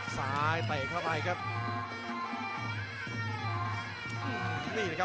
เตะเข้าไปครับ